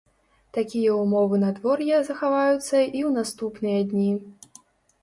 Такія ўмовы надвор'я захаваюцца і ў наступныя дні.